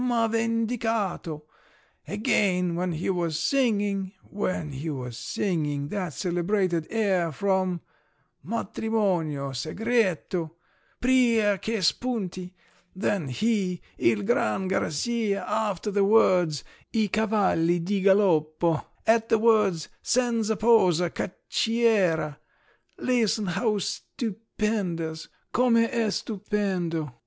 … ma vendicato …_ Again when he was singing … when he was singing that celebrated air from "Matrimonio segreto," Pria che spunti … then he, il gran Garcia, after the words, "I cavalli di galoppo"—at the words, "Senza posa cacciera,"—listen, how stupendous, come è stupendo!